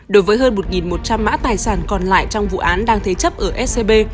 đối với hơn một một trăm linh mã tài sản còn lại trong vụ án đang thế chấp ở scb